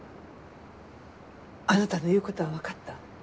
あなたの言う事はわかった。